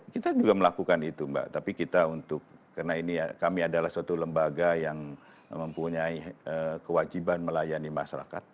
kita juga melakukan itu mbak tapi kita untuk karena ini ya kami adalah suatu lembaga yang mempunyai kewajiban melayani masyarakat